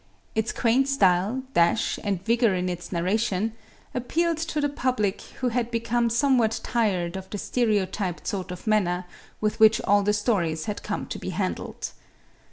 Its quaint style, dash and vigor in its narration appealed to the public who had become somewhat tired of the stereotyped sort of manner with which all stories had come to be handled.